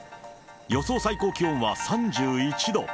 予想最高気温は３１度。